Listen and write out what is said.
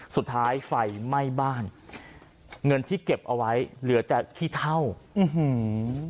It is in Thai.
สุดท้ายไฟไหม้บ้านเงินที่เก็บเอาไว้เหลือแต่ขี้เท่าอื้อหือ